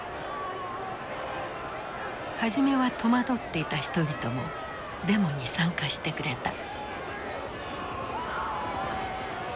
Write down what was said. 初めは戸惑っていた人々もデモに参加してくれた。